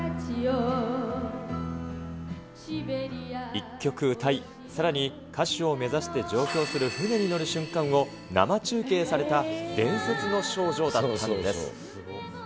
１曲歌い、歌手を目指して上京する船に乗る瞬間を、生中継された、伝説の少女だったのです。